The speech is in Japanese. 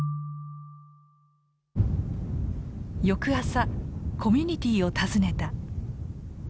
翌朝コミュニティーを訪ねた。